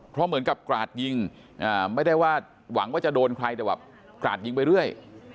เพราะเหมือนกับกราดยิงไม่ได้ว่าหวังว่าจะโดนใครแต่แบบกราดยิงไปเรื่อย